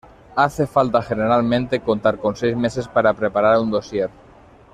Hace falta generalmente contar con seis meses para preparar un dossier.